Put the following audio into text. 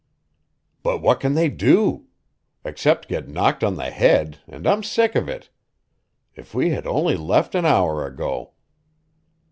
"But what can they do? Except get knocked on the head, and I'm sick of it. If we had only left an hour ago!"